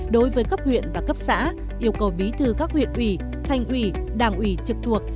đối với cấp huyện và cấp xã yêu cầu bí thư các huyện ủy thành ủy đảng ủy trực thuộc